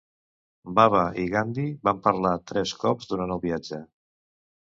Baba i Gandhi van parlar tres cops durant el viatge.